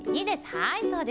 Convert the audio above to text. はいそうです。